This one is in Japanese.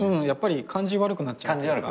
やっぱり感じ悪くなっちゃう。